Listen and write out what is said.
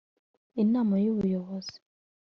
Inama y ubuyobozi